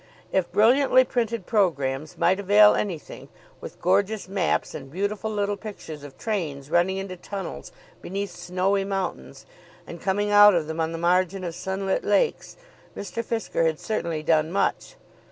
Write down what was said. If brilliantly printed programmes might avail anything, with gorgeous maps, and beautiful little pictures of trains running into tunnels beneath snowy mountains and coming out of them on the margin of sunlit lakes, Mr. Fisker had certainly done much.